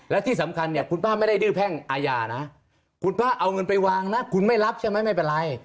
และที่สำคัญเนี่ยคุณป้าไม่ได้ดื้อแพ่งอาญานะคุณป้าเอาเงินไปวางนะคุณไม่รับใช่ไหมไม่เป็นไร